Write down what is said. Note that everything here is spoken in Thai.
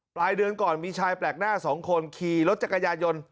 ปลายเดือนก่อนมีชายแปลกหน้าสองคนขี่รถจักรยายนต์